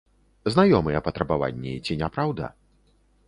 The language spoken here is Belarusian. Знаёмыя патрабаванні, ці не праўда?